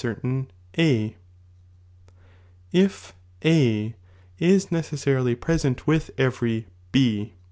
k certain A, if A is neceaaarily present with every B.